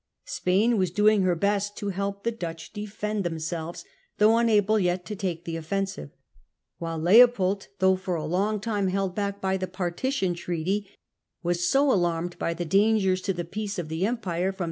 Spain was doing her best to help the Dutch to defend themselves, though unable yet to take the offensive; while Leopold, though for a long time held back by the Partition Treaty, was so alarmed by the „ dangers to the peace of the Empire from the Alliance of